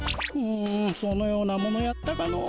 うんそのようなものやったかのう。